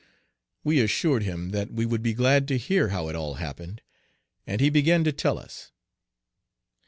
We assured him that we would be glad to hear how it all happened, and he began to tell us.